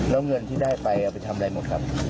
แล้วเงินที่ได้ไปเอาไปทำอะไรหมดครับ